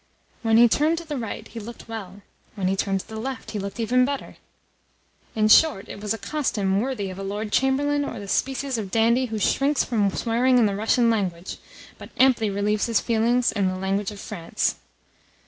When he turned to the right he looked well: when he turned to the left he looked even better. In short, it was a costume worthy of a Lord Chamberlain or the species of dandy who shrinks from swearing in the Russian language, but amply relieves his feelings in the language of France.